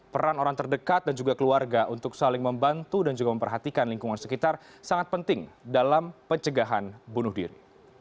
peran orang terdekat dan juga keluarga untuk saling membantu dan juga memperhatikan lingkungan sekitar sangat penting dalam pencegahan bunuh diri